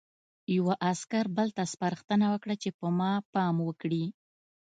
یوه عسکر بل ته سپارښتنه وکړه چې په ما پام وکړي